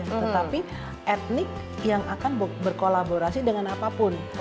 tetapi etnik yang akan berkolaborasi dengan apapun